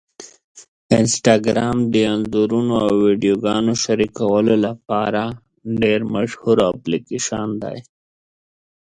انسټاګرام د انځورونو او ویډیوګانو شریکولو لپاره ډېره مشهوره اپلیکېشن ده.